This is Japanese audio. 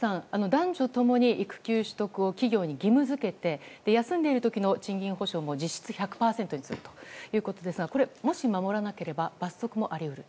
男女共に育休取得を企業に義務付けて休んでいる時の賃金補償も実質１００％にするということですがもし守らなければ罰則もあり得る？